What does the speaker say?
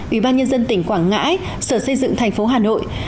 ủy ban nhân dân tỉnh quảng ngãi sở xây dựng thành phố hà nội